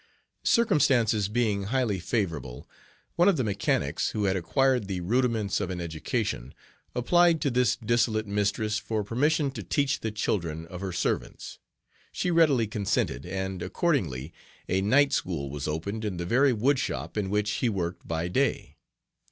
Circumstances being highly favorable, one of the mechanics, who had acquired the rudiments of an education, applied to this dissolute mistress for permission to teach the children of her "servants." She readily consented, and, accordingly, a night School was opened in the very woodshop in which he worked by day.